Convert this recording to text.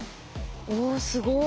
おすごい。